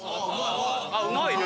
うまいね。